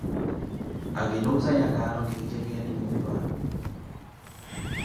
Akinuuzanya kaaro kihi jekeeni nyuupa.